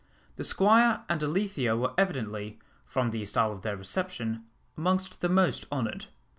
The Squire and Alethea were evidently, from the style of their reception, amongst the most honoured.